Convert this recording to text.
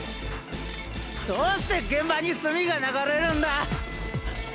どうして現場にすみが流れるんだ！